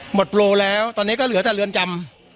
โปรแล้วตอนนี้ก็เหลือแต่เรือนจำ